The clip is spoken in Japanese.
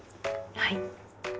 はい。